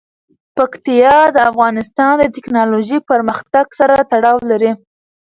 پکتیا د افغانستان د تکنالوژۍ پرمختګ سره تړاو لري.